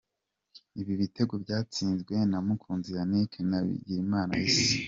Ibi bitego byatsinzwe na Mukunzi Yannick na Bigirimana Issa.